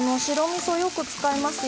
みそよく使います。